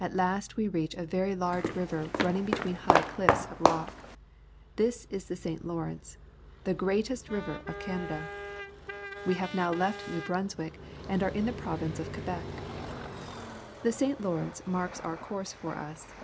At last we reach a very large river, running between high cliffs of rock. This is the »S/. Lawrence, the greatest river of Canada. We ha^•e now left New Brunswick and are in the province of Quebec. The St. Lawrence marks our course for us.